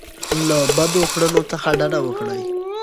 له بدو کړنو څخه ډډه وکړئ.